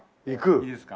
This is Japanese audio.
いいですか？